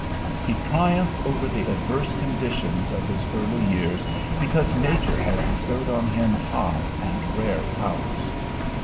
He triumphed over the adverse conditions of his early years because Nature had bestowed on him high and rare powers.